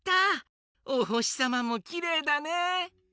おほしさまもきれいだね！